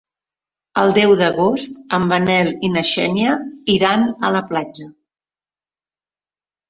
El deu d'agost en Manel i na Xènia iran a la platja.